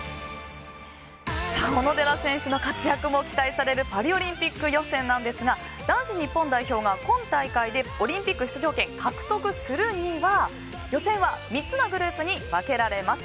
小野寺選手の活躍も期待されるパリオリンピック予選なんですが男子日本代表が今大会でオリンピック出場権を獲得するには予選は３つのグループに分けられます。